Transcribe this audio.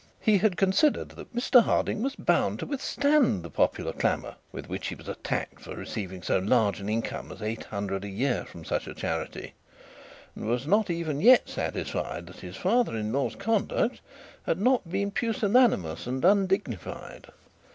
He had considered that Mr Harding was bound to withstand the popular clamour with which he was attacked for receiving so large an income as eight hundred a year from such a charity, and was not even satisfied that his father in law's conduct had not been pusillanimous and undignified.